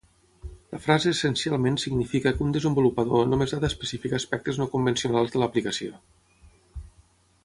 La frase essencialment significa que un desenvolupador només ha d'especificar aspectes no convencionals de l'aplicació.